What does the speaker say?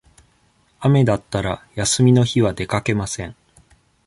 雨だったら、休みの日は出かけません。